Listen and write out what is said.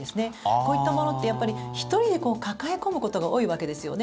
こういったものって、やっぱり１人で抱え込むことが多いわけですよね。